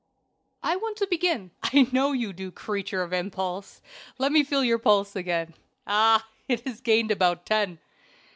"I want to begin." "I know you do, creature of impulse! Let me feel your pulse again. Ah! it has gained about ten."